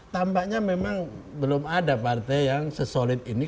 tampaknya memang belum ada partai yang sesolid ini